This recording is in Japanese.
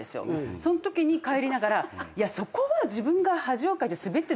そんときに帰りながらいやそこは自分が。